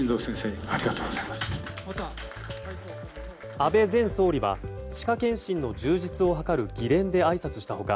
安倍前総理は歯科検診の充実を図る議連であいさつした他